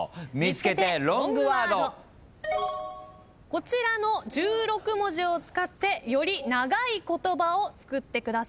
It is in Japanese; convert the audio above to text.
こちらの１６文字を使ってより長い言葉を作ってください。